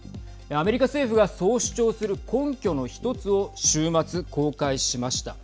アメリカ政府がそう主張する根拠の一つを週末、公開しました。